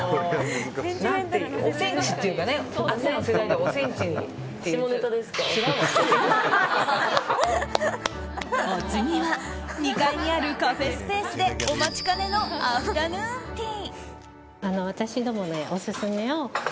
お次は、２階にあるカフェスペースでお待ちかねのアフタヌーンティー。